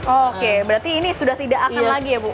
oke berarti ini sudah tidak akan lagi ya bu